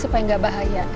supaya tidak berbahaya